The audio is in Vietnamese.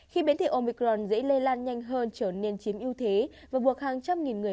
khi bến thị omicron dễ lây lan nhanh hơn trở nên chiếm ưu thế và buộc hàng trăm nghìn người